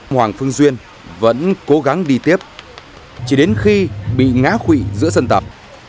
hoàng phương duyên vẫn cố gắng đi tiếp chỉ đến khi bị ngã khụy giữa sân tập